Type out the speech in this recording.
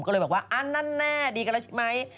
ก็เลยบอกว่าอันนั้นแน่ดีกันแล้วใช่ไหม